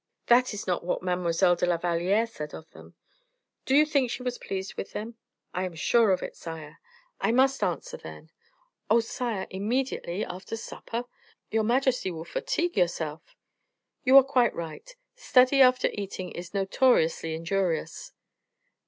"That is not what Mademoiselle de la Valliere said of them." "Do you think she was pleased with them?" "I am sure of it, sire." "I must answer, then." "Oh! sire, immediately after supper? Your majesty will fatigue yourself." "You are quite right; study after eating is notoriously injurious."